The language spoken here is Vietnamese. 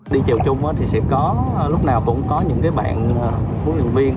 đi chèo chung thì sẽ có lúc nào cũng có những cái bạn huấn luyện viên